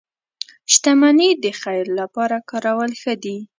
• شتمني د خیر لپاره کارول ښه دي.